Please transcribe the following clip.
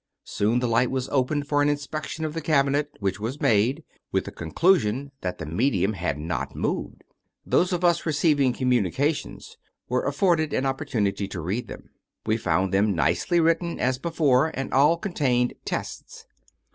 Soon the light was opened for an inspection of the cabinet, which was made, with the conclusion that the me dium had not moved. Those of us receiving communica tions were afforded an opportimity to read them. We found them nicely written, as before, and all contained " tests."